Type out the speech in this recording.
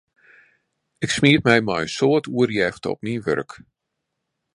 Ik smiet my mei in soad oerjefte op myn wurk.